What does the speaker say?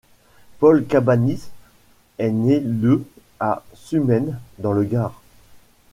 Paul Cabanis est né le à Sumène dans le Gard.